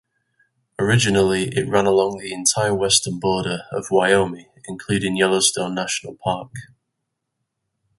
Originally, it ran along the entire western border of Wyoming, including Yellowstone National Park.